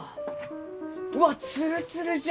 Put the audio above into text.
うわっツルツルじゃ！